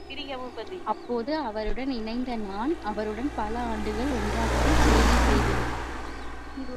அப்போது அவருடன் இணைந்த நான், அவருடன் பல ஆண்டுகள் ஒன்றாகவே சேவை செய்தேன்.